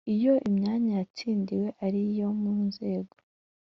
Iyo imyanya yatsindiwe ari iyo mu Nzego